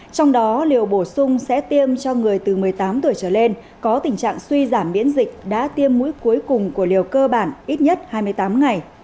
trong đó liều bổ sung sẽ tiêm cho người từ một mươi tám tuổi trở lên có tình trạng suy giảm miễn dịch đã tiêm mũi cuối cùng của liều cơ bản ít nhất hai mươi tám ngày